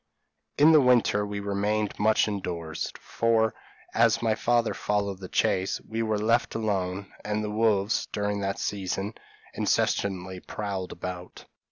In the winter we remained much indoors, for, as my father followed the chase, we were left alone, and the wolves, during that season, incessantly prowled about.